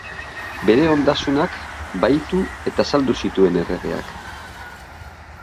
Bere ondasunak bahitu eta saldu zituen erregeak.